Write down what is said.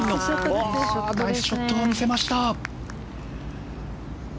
ナイスショットを見せました。